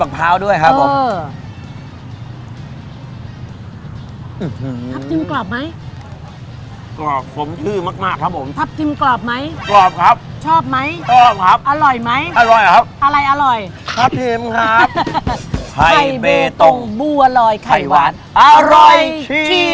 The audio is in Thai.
เราจะตลุยกินให้ถึงที่